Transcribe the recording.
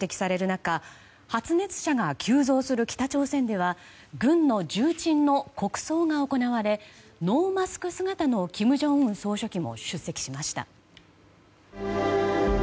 中発熱者が急増する北朝鮮では軍の重鎮の国葬が行われノーマスク姿の金正恩総書記も出席しました。